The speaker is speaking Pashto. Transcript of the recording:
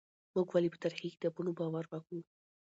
موږ ولې په تاريخي کتابونو باور وکړو؟